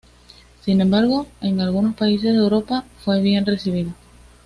Sin embargo, en algunos países de Europa fue bien recibido.